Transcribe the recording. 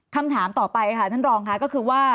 คำถามต่อไปค่ะท่านรองค่ะก็คือว่า